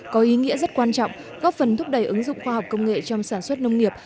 có ý nghĩa rất quan trọng góp phần thúc đẩy ứng dụng khoa học công nghệ trong sản xuất nông nghiệp